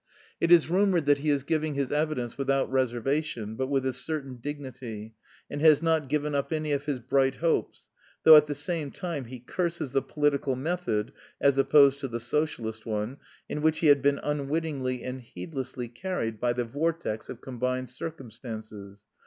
It is rumoured that he is giving his evidence without reservation, but with a certain dignity, and has not given up any of his "bright hopes," though at the same time he curses the political method (as opposed to the Socialist one), in which he had been unwittingly and heedlessly carried "by the vortex of combined circumstances."